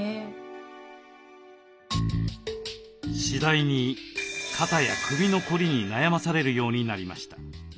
次第に肩や首のこりに悩まされるようになりました。